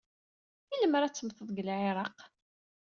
I lemmer ad temmteḍ deg Lɛiraq?